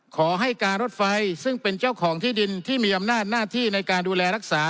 ขอให้การรถไฟซึ่งเป็นเจ้าของที่ดินที่มีอำนาจหน้าที่ในการดูแลรักษา